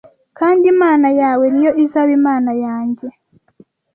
kandi Imana yawe ni yo izaba Imana yanjye